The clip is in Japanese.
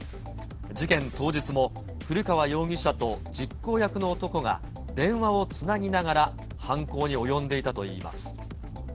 事件当日も古川容疑者と実行役の男が電話をつなぎながら犯行に及んでいたといいます。